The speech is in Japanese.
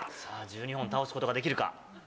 さぁ１２本倒すことができるか。